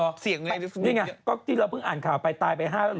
เดี๋ยวชิคกี้พีชหมายนอกกินชอบอันนี้